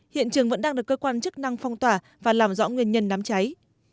hiện trường vẫn đang được cơ quan chức năng phong tỏa và làm rõ nguyên nhân đám cháy